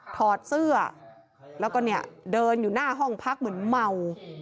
ถอดเสื้อแล้วก็เนี่ยเดินอยู่หน้าห้องพักเหมือนเมา